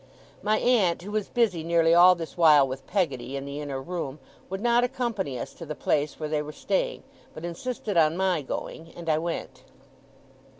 My aunt (who was busy nearly all this while with Peggotty, in the inner room) would not accompany us to the place where they were staying, but insisted on my going; and I went.